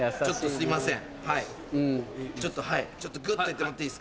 すいません！